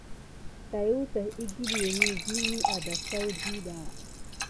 Slaywa tät wukiləŋe vini a dasaku ɗiɗa.